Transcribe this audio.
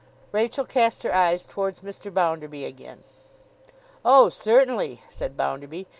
Rachael cast her eyes towards Mr. Bounderby again. 'Oh, certainly!' said Bounderby.